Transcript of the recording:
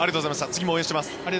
次も応援しています。